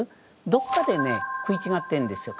どっかでね食い違ってんですよ。